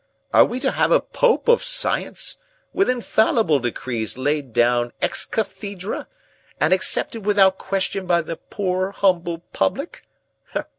Are we to have a Pope of science, with infallible decrees laid down ex cathedra, and accepted without question by the poor humble public?